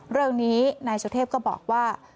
เรื่องนี้นายสุเทพก็บอกว่า